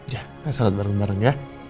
ya kita sholat bareng bareng ya